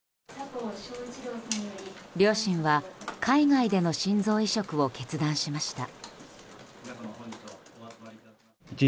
両親は、海外での心臓移植を決断しました。